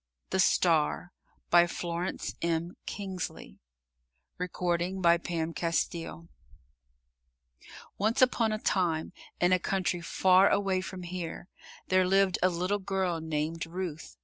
THE STAR[*] By Florence M. Kingsley Once upon a time in a country far away from here, there lived a little girl named Ruth.